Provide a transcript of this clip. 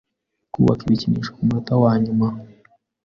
kubaka ibikinisho kumunota wanyuma